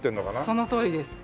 そのとおりです。